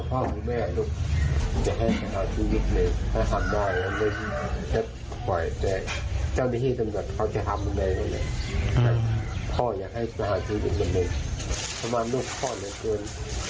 พ่อยากให้สุขภาษาชีวิตเป็นกระดูกทรมานลูกพ่อเหลือเกิน